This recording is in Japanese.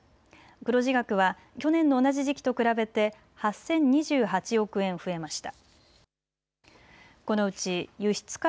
黒字額は去年の同じ時期と比べて８０２８億円増えました。